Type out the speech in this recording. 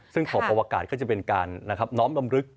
ซึ่งขอบอวกาศก็จะเป็นการน้อมรำลึก